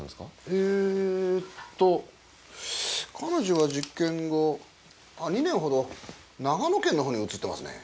えーっと彼女は事件後２年ほど長野県の方に移ってますね。